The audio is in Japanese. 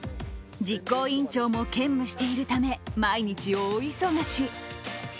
実行委員長も兼務しているため、毎日大忙し。